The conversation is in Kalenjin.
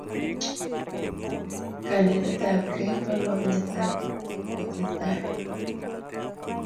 kanetet apkei ko longet ap kotestai